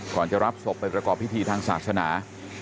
จะรับศพไปประกอบพิธีทางศาสนา